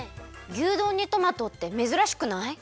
牛丼にトマトってめずらしくない？